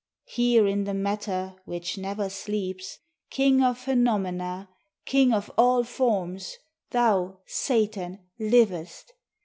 Here in the matter Which never sleeps, King of phenomena, King of all forms, Thou, Satan, livest.